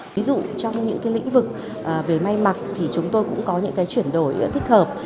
ví dụ trong những lĩnh vực về may mặc thì chúng tôi cũng có những chuyển đổi thích hợp